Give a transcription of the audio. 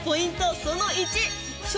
その１！